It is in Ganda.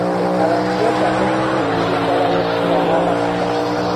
Abantu betaaga okufuna engeri endala y'okufunamu amafuta.